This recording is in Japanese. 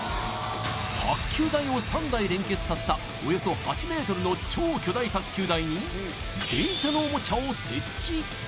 卓球台を３台連結させたおよそ８ｍの超巨大卓球台にを設置